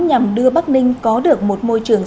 nhằm đưa bắc ninh có được một môi trường